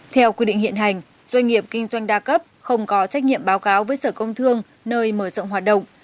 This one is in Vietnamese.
theo quy định hiện hành doanh nghiệp kinh doanh đa cấp không có trách nhiệm báo cáo với sở công thương nơi mở rộng hoạt động